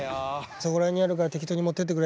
そこら辺にあるから適当に持ってってくれ。